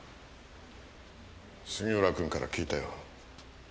杉浦君から聞いたよ。